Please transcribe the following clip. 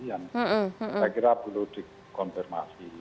saya kira perlu dikonfirmasi